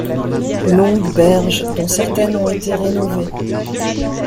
Longues berges dont certaines ont été rénovées.